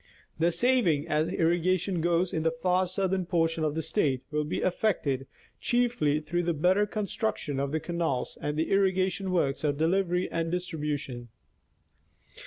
The saving, as irrigation goes on in the far southern portion of the State, will be effected chiefly through the better construc tion of canals and irrigation works of delivery and distribution.